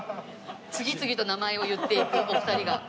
次々と名前を言っていくお二人が。